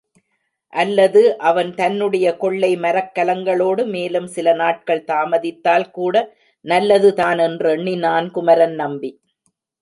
அல்லது அவன் தன்னுடைய கொள்ளை மரக்கலங்களோடு மேலும் சில நாட்கள் தாமதித்தால் கூட நல்லதுதான் என்றெண்ணினான் குமரன் நம்பி.